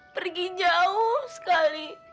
pergi jauh sekali